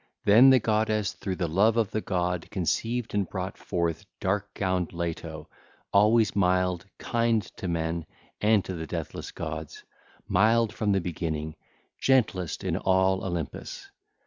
Then the goddess through the love of the god conceived and brought forth dark gowned Leto, always mild, kind to men and to the deathless gods, mild from the beginning, gentlest in all Olympus.